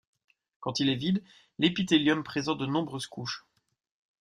Quand il est vide, l'épithélium présente de nombreuses couches.